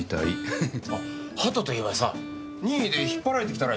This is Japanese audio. あ鳩といえばさ任意で引っ張られてきたらしいよ。